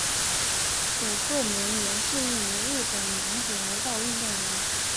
古贺稔彦是一名日本男子柔道运动员。